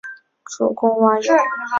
主攻蛙泳。